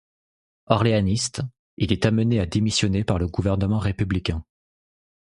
Orléaniste, il est amené à démissionner par le gouvernement républicain.